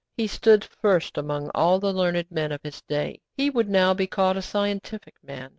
He stood first among all the learned men of his day. He would now be called a 'scientific' man.